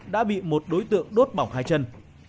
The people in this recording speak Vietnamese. đã bị một đối tượng đốt bỏng hai chân